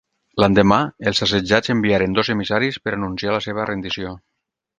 L'endemà, els assetjats enviaren dos emissaris per anunciar la seva rendició.